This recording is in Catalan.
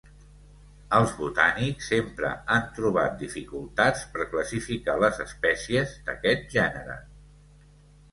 Els botànics sempre han trobat dificultats per classificar les espècies d'aquest gènere.